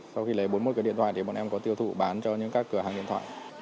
sau khi lấy bốn mươi cái điện thoại thì bọn em có tiêu thụ bán cho những các cửa hàng điện thoại